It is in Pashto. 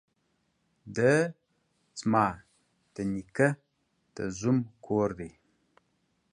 ده ځما ده نيکه ده زوم کور دې.